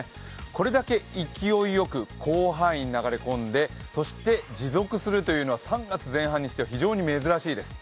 これだけ勢いよく広範囲に流れ込んでそして持続するというのは３月上旬としては珍しいです。